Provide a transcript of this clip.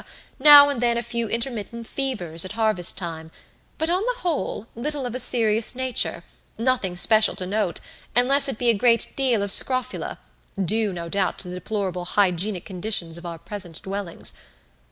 now and then a few intermittent fevers at harvest time; but on the whole, little of a serious nature, nothing special to note, unless it be a great deal of scrofula, due, no doubt, to the deplorable hygienic conditions of our peasant dwellings.